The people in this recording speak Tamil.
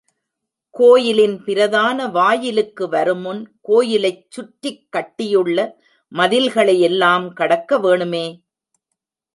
கோயிலின் பிரதான வாயிலுக்கு வருமுன் கோயிலைச் சுற்றிக் கட்டியுள்ள மதில்களையெல்லாம் கடக்கவேணுமே.